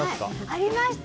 ありました。